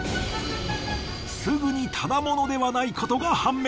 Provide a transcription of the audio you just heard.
すぐに只者ではないことが判明。